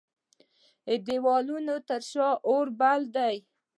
د دیوالونو تر شا اوربل دی